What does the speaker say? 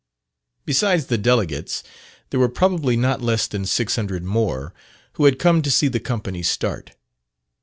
Besides the delegates, there were probably not less than 600 more, who had come to see the company start.